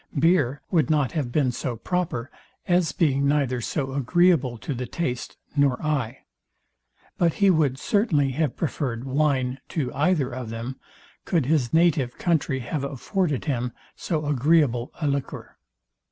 Beer would not have been so proper, as being neither so agreeable to the taste nor eye. But he would certainly have preferred wine to either of them, could his native country have afforded him so agreeable a liquor.